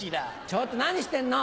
ちょっと何してんの。